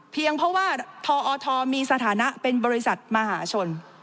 เพราะว่าทอทมีสถานะเป็นบริษัทมหาชน